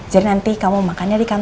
jadi nanti kamu makan aja di kamar